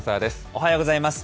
おはようございます。